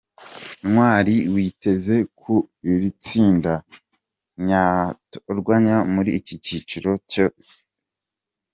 ntawari witeze ko iri tsinda ryatoranywa muri iki cyiciro muri bino bihembo.